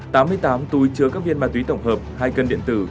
tám mươi tám túi chứa các viên ma túy tổng hợp hai cân điện tử